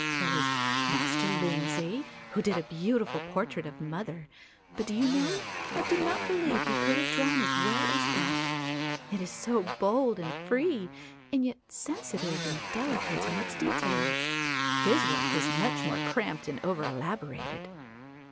There was Master Lindsay, who did a beautiful portrait of mother, but do you know I do not believe he could have drawn as well as that; it is so bold and free and yet sensitive and delicate in its details. His work was much more cramped and over elaborated.